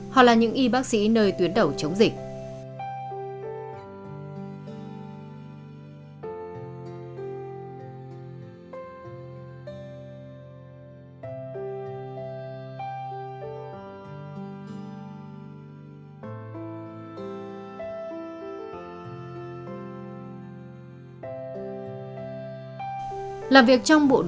họ là những y bác sĩ nơi tuyến đẩu chống dịch